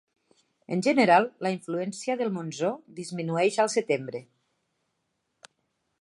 En general, la influència del monsó disminueix al setembre.